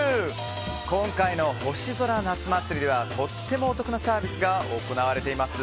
今回の星空夏祭りではとってもお得なサービスが行われています。